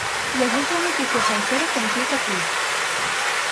Llegeix la notícia sencera fent clic aquí.